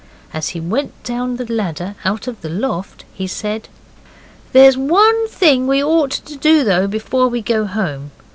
As he went down the ladder out of the loft he said 'There's one thing we ought to do, though, before we go home.